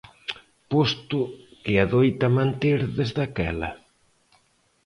Posto que adoita manter desde aquela.